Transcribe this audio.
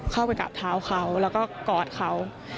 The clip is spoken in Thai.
เข้าไปกราบเท้าเขาแล้วก็กอดเขา